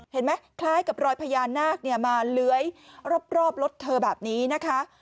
คล้ายกับรอยพญานาคมาเลื้อยรอบรถเธอแบบนี้นะคะ